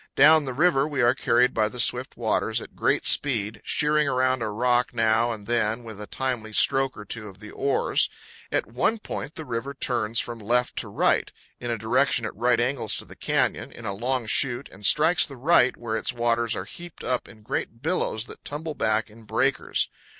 Down the river we are carried by the swift waters at great speed, sheering around a rock now and then with a timely stroke or two of the oars. At one point the river turns from left to right, in a direction at right angles to the canyon, in a long chute and strikes the right, where its waters are heaped up in great billows that tumble back in breakers.